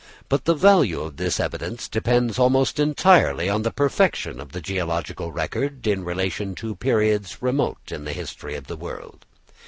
But the value of this evidence depends entirely on the perfection of the geological record, in relation to periods remote in the history of the world.